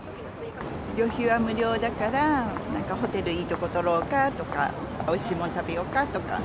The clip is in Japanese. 旅費は無料だから、なんかホテルいい所取ろうかとか、おいしいもん食べようかとか。